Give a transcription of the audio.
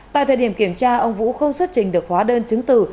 tại thời điểm kiểm tra ông vũ không xuất trình được hóa đơn chứng từ